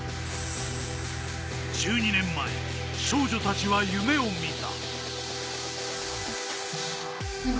１２年前、少女たちは夢を見た。